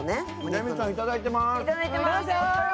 レミさんいただいてます！